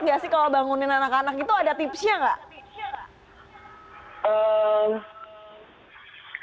nggak sih kalau bangunin anak anak itu ada tipsnya nggak